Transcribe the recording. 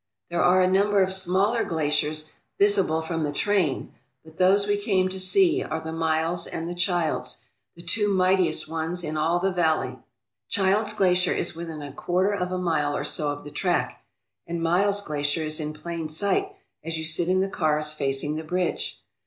There are a number of smaller glaciers visible from the 297 ALASKA OUR NORTHERN WONDERLAND train, but those we came to see are the IVfiles and the Childs, the two mightiest ones in all the valley. Childs Glacier is within a quarter of a mile or so of the track, and Miles Glacier is in plain sight as you sit in the cars facing the bridge.